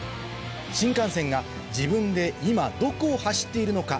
新幹線が自分で今どこを走っているのか